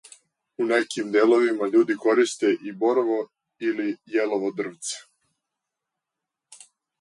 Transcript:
У неким дијеловима, људи користе и борово или јелово дрвце.